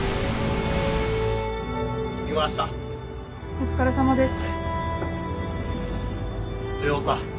お疲れさまです。